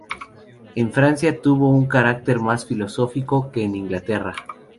En Francia tuvo un carácter más filosófico que en Inglaterra.